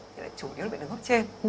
thì lại chủ yếu là bị đến hốp trên